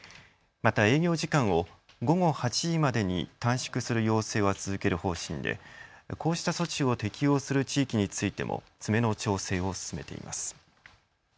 また営業時間を午後８時までに短縮する要請は続ける方針でこうした措置を適用する地域についても詰めの調整を進めています。